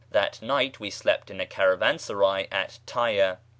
That night we slept in a caravansaray at Tyre.